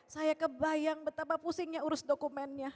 saya kebayang betapa pusingnya urus dokumennya